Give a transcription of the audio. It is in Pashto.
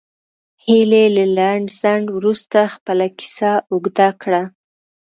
هیلې له لنډ ځنډ وروسته خپله کیسه اوږده کړه